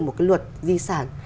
một cái luật di sản